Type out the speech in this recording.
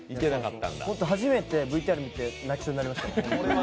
初めてＶＴＲ見て泣きそうになりました。